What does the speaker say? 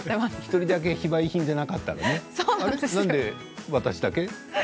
１人だけ非売品じゃなかったらなんで私だけ？